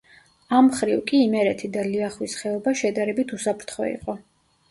ამ მხრივ კი იმერეთი და ლიახვის ხეობა შედარებით უსაფრთხო იყო.